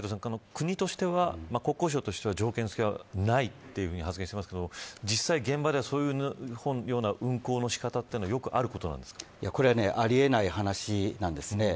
国としては、国交省としては条件付きはないと発言していますが実際、現場ではそういう運航の仕方というのはこれは、ありえない話です。